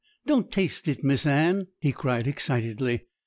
don't taste it, Miss Anne!' he cried excitedly.